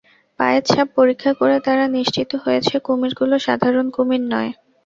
পায়ের ছাপ পরীক্ষা করে তারা নিশ্চিত হয়েছে কুমিরগুলো সাধারণ কুমির নয়।